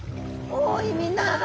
おいみんな。